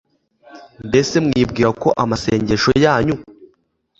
Mbese mwibwira ko amasengesho yanyu